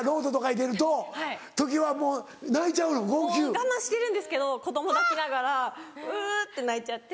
我慢してるんですけど子供抱きながらウゥって泣いちゃって。